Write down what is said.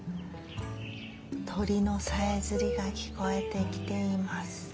鳥のさえずりが聞こえてきています。